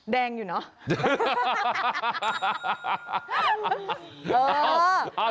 แดงอยู่เนอะ